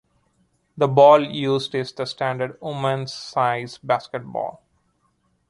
The ball used is the standard women's size basketball.